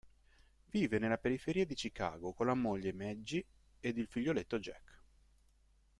Vive nella periferia di Chicago con la moglie Maggie ed il figlioletto Jack.